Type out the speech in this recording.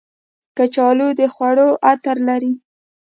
کچالو د خوړو عطر لري